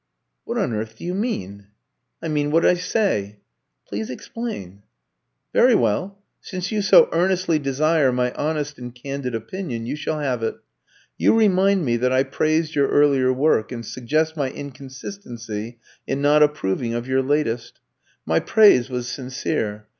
"What on earth do you mean?" "I mean what I say." "Please explain." "Very well. Since you so earnestly desire my honest and candid opinion, you shall have it. You remind me that I praised your earlier work, and suggest my inconsistency in not approving of your latest. My praise was sincere.